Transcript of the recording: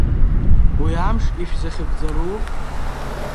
Уи амш ишәзахьыгӡару?